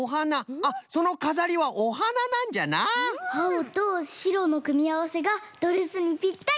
あおとしろのくみあわせがドレスにぴったり！